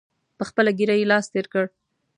په خپله ږیره یې لاس تېر کړ.